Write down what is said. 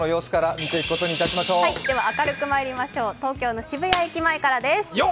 では明るくまいりましょう東京の渋谷駅前からです。